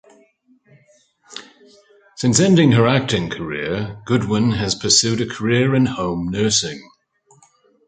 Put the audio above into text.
Since ending her acting career, Goodwin has pursued a career in home nursing.